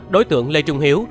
đối tượng lê trung hiếu